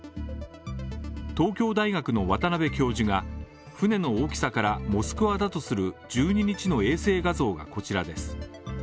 東京大学の渡邊教授が、船の大きさからモスクワだとする１２日の衛星画像がこちらです。